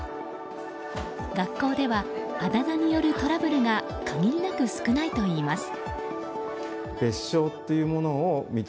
学校ではあだ名によるトラブルが限りなく少ないといいます。